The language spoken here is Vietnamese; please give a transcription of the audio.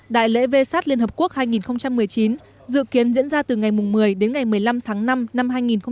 đại lễ vê sát liên hợp quốc hai nghìn một mươi chín dự kiến diễn ra từ ngày một mươi đến ngày một mươi năm tháng năm năm hai nghìn một mươi chín